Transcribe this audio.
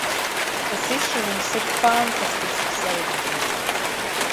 Tas izšuvums ir fantastiski sarežģīts.